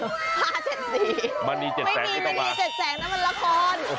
ผ้าเจ็ดสีไม่มีมณีเจ็ดแสงน้ำมันละคร